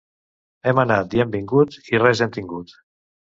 Hem anat i hem vingut i res hem tingut.